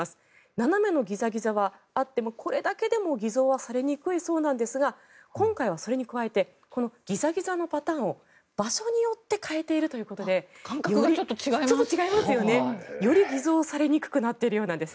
斜めのギザギザがあってもこれだけでも偽造はされにくいそうなんですが今回はそれに加えてギザギザのパターンを場所によって変えているということでより偽造されにくくなっているようです。